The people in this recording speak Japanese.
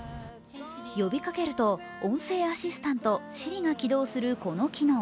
呼びかけると音声アシスタントＳｉｒｉが起動するこの機能。